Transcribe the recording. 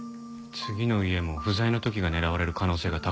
次の家も不在の時が狙われる可能性が高いですね。